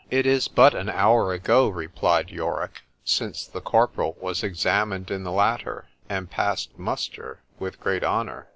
— It is but an hour ago, replied Yorick, since the corporal was examined in the latter, and passed muster with great honour.